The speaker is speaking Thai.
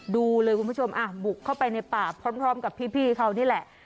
ดูเลยคุณผู้ชมบุกเข้าไปในป่าพร้อมกับพี่เขานี่แหละ